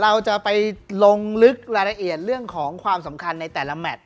เราจะไปลงลึกรายละเอียดเรื่องของความสำคัญในแต่ละแมท